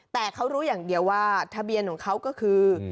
แต่เขารู้อย่างเดียวว่าทะเบียนของเขาก็คือ